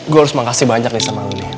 gue harus makasih banyak nih sama lu nih